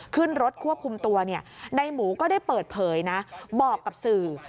ขึ้นรถควบคุมตัวในหมูก็ได้เปิดเผยนะบอกกับสื่อ